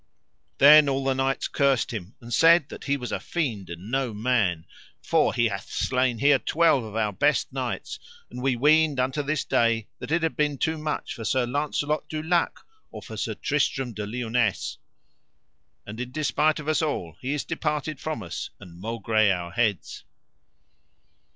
Then all the knights cursed him, and said that he was a fiend and no man: For he hath slain here twelve of our best knights, and we weened unto this day that it had been too much for Sir Launcelot du Lake or for Sir Tristram de Liones. And in despite of us all he is departed from us and maugre our heads.